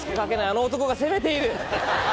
あの男が攻めている！